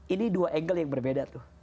ini dua angle yang berbeda tuh